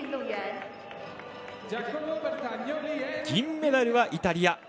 銀メダルはイタリア。